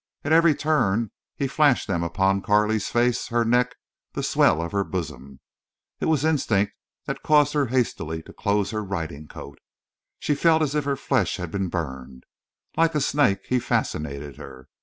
At every turn he flashed them upon Carley's face, her neck, the swell of her bosom. It was instinct that caused her hastily to close her riding coat. She felt as if her flesh had been burned. Like a snake he fascinated her.